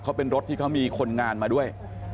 เขาเป็นรถที่เขามีคนงานมาด้วย